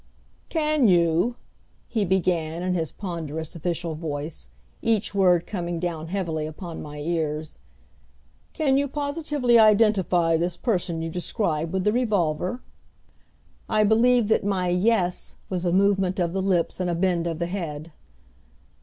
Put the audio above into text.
"Can you," he began, in his ponderous official voice, each word coming down heavily upon my ears, "Can you positively identify this person you describe with the revolver?" I believe that my "Yes" was a movement of the lips and a bend of the head.